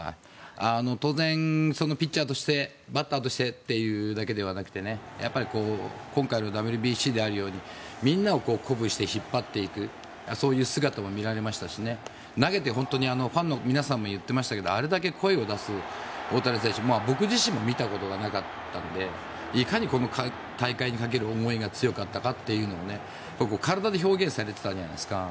当然、ピッチャーとしてバッターとしてというだけでなくやっぱり今回のＷＢＣにあるようにみんなを鼓舞して引っ張っていくそういう姿も見られましたし投げて、ファンの皆さんも言ってましたがあれだけ声を出す大谷選手僕自身も見たことがなかったのでいかにこの大会にかける思いが強かったかというのが体で表現されていたじゃないですか。